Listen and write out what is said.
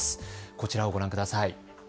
こちらをご覧ください。